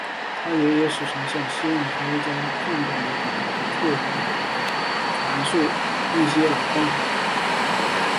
他爷爷时常向希望开一家饭馆的比特传授一些老方法。